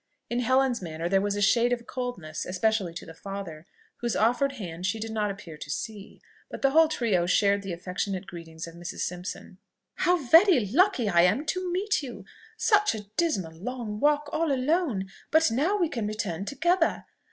In Helen's manner there was a shade of coldness, especially to the father, whose offered hand she did not appear to see; but the whole trio shared the affectionate greetings of Mrs. Simpson. "How very lucky I am to meet you! Such a dismal long walk, all alone! but now we can return together.